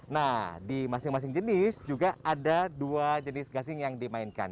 nah di masing masing jenis juga ada dua jenis gasing yang dimainkan